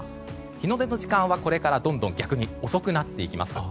日の出の時間はこれからどんどん逆に遅くなっていきます。